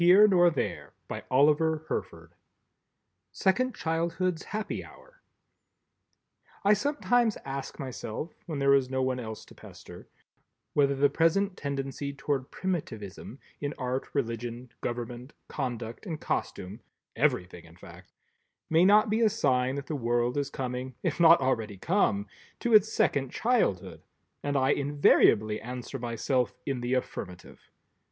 Allah forbid! SECOND CHILDHOOD'S HAPPY HOUR I sometimes ask myself (when there is no one else to pester) whether the present tendency toward Primitivism, in Art, Religion, Government, Conduct and Costume (everything in fact) may not be a sign that the world is coming, if not already come, to its second childhood, and I invariably answer myself in the affirmative.